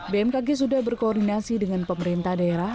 bmkg sudah berkoordinasi dengan pemerintah daerah